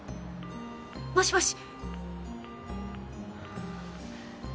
もしもし？